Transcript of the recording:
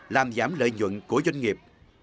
làm giảm lợi nhuận của doanh nghiệp